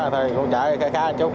thì cũng trả khá chút